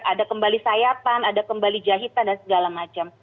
ada kembali sayapan ada kembali jahitan dan segala macam